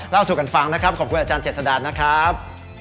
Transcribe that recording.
สู่กันฟังนะครับขอบคุณอาจารย์เจษดานนะครับ